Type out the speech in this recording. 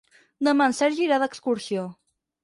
Demà en Sergi irà d'excursió.